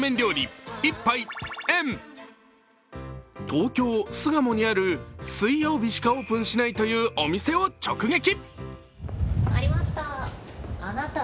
東京・巣鴨にある、水曜日しかオープンしないというお店を直撃。